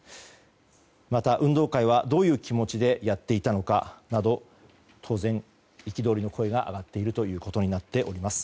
また運動会はどういう気持ちでやっていたのかなど当然、憤りの声が上がっているということになっております。